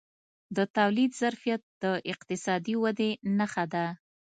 د تولید ظرفیت د اقتصادي ودې نښه ده.